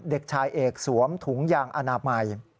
เด็กชายเอกสวมถุงยางอนามัย